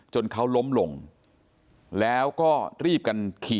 จนเขาล้มหลงแล้วก็รีบกันขี่จักรยานยนต์หลบหนีไป